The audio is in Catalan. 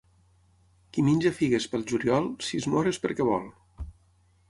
Qui menja figues pel juliol, si es mor és perquè vol.